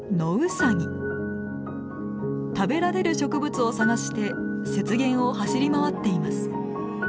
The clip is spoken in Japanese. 食べられる植物を探して雪原を走り回っています。